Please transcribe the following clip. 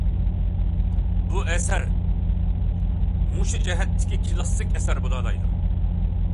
بۇ ئەسەر مۇشۇ جەھەتتىكى كىلاسسىك ئەسەر بولالايدۇ.